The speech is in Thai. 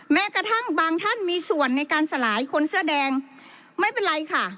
แม้กระทั่งบางท่านมีส่วนในการสลายคนเสื้อแดงไม่เป็นไรค่ะ